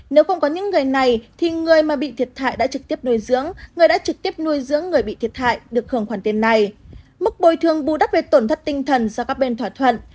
nếu không có những người này thì người mà bị thiệt hại đã trực tiếp nuôi dưỡng người đã trực tiếp nuôi dưỡng người bị thiệt hại được hưởng khoản tiền này